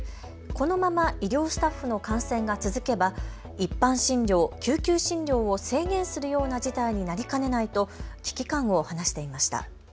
このまま医療スタッフの感染が続けば一般診療、救急診療を制限するような事態になりかねないと危機感を話していました。